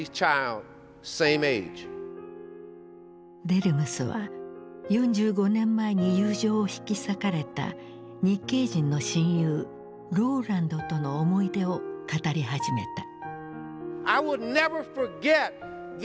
デルムスは４５年前に友情を引き裂かれた日系人の親友ローランドとの思い出を語り始めた。